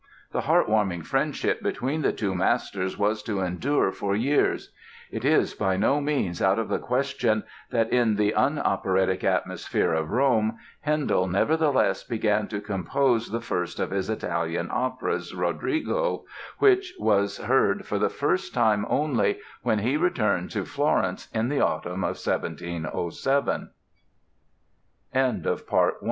The heart warming friendship between the two masters was to endure for years. It is by no means out of the question that in the un operatic atmosphere of Rome Handel, nevertheless, began to compose the first of his Italian operas, "Roderigo", which was heard for the first time only when he returned to Florence in